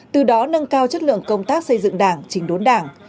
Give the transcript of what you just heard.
từ đó nâng cao chất lượng công tác xây dựng đảng trình đốn đảng